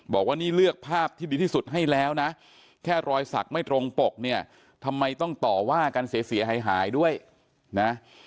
บอกว่านี่เลือกภาพที่ดีที่สุดให้แล้วนะแค่รอยสักไม่ตรงปกเนี่ยทำไมต้องต่อว่ากันเสียหายด้วยนะ